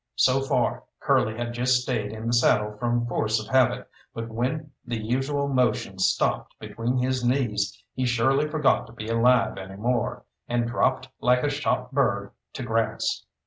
So far Curly had just stayed in the saddle from force of habit, but when the usual motion stopped between his knees he surely forgot to be alive any more, and dropped like a shot bird to grass.